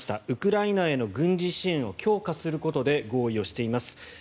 ウクライナへの軍事支援を強化することで合意をしています。